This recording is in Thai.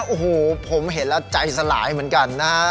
โอ้โหผมเห็นแล้วใจสลายเหมือนกันนะฮะ